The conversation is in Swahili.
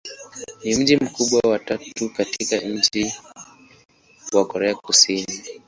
Ni mji mkubwa wa tatu katika nchi wa Korea Kusini.